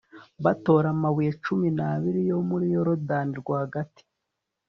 batora amabuye cumi n'abiri yo muri yorudani rwagati